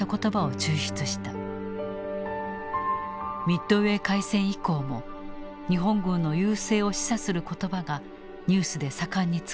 ミッドウェー海戦以降も日本軍の優勢を示唆する言葉がニュースで盛んに使われていく。